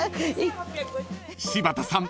［柴田さん